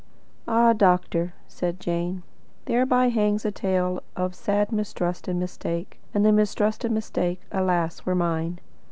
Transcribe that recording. "Ah, doctor," said Jane, "thereby hangs a tale of sad mistrust and mistake, and the mistrust and mistake, alas, were mine.